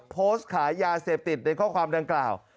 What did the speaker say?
โพสต์ขายยาเสพติดในข้อความดังกล่าว